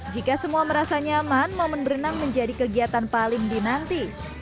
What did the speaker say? jika semua merasa nyaman momen berenang menjadi kegiatan paling dinanti